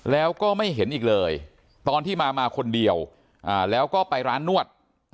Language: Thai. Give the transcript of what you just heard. แล้วก็ไม่เห็นอีกเลยตอนที่มามาคนเดียวแล้วก็ไปร้านนวด